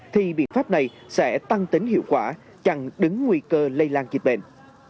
thì biện pháp này sẽ tăng tính hiệu quả chặn đứng nguy cơ lây lan dịch bệnh